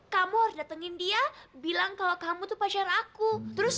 kamu harus datengin dia bilang kalau kamu tuh pacar aku